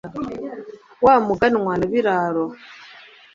wa muganwa na biraro